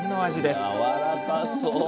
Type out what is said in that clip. やわらかそう！